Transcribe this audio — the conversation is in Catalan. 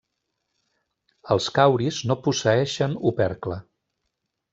Els cauris no posseeixen opercle.